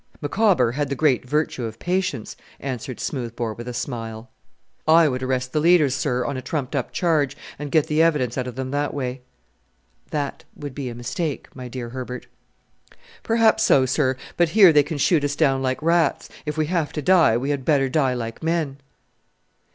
"Micawber had the great virtue of patience," answered Smoothbore with a smile. "I would arrest the leaders, sir, on a trumped up charge, and get the evidence out of them that way." "That would be a mistake, my dear Herbert." "Perhaps so, sir; but here they can shoot us down like rats. If we have to die, we had better die like men."